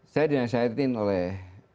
saya dinasihatin oleh